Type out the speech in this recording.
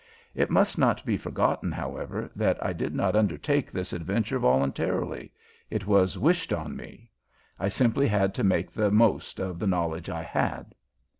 It must not be forgotten, however, that I did not undertake this adventure voluntarily. It was "wished on me." I simply had to make the most of the knowledge I had.